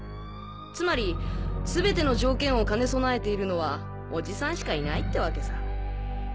つまりすべての条件を兼ね備えているのはおじさんしかいないってわけさ。